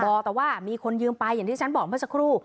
แต่ว่ามีคนยืมไปอย่างที่ฉันบอกเมื่อสักครู่